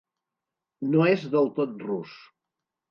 No és del tot rus.